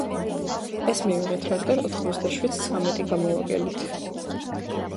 ეს მივიღეთ რადგან ოთხმოცდაშვიდს ცამეტი გამოვაკელით.